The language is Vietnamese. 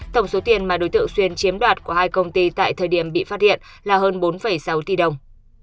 tổng số tiền mà đối tượng xuyên chiếm đoạt của hai công ty tại thời điểm bị phát hiện là hơn bốn sáu tỷ đồng